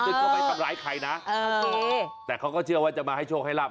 ก็ไม่ทำร้ายใครนะแต่เขาก็เชื่อว่าจะมาให้โชคให้หลาบ